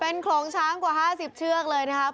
โขลงช้างกว่า๕๐เชือกเลยนะครับ